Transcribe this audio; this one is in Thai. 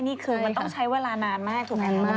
นี่คือมันต้องใช้เวลานานมากถูกไหม